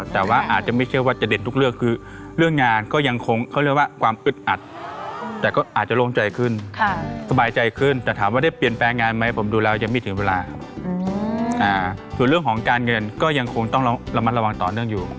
ส่วนเรื่องของการเงินก็ยังคงต้องระมัดระวังต่อเนื่องอยู่